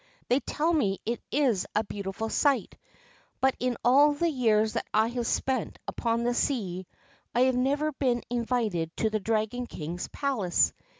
' They tell me it is a beautiful sight, but in all the years that I have spent upon the sea I have never been invited to the Dragon King's palace.